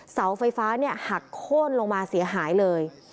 เสาไฟฟ้าหักโค้นลงมาเสียหายเลย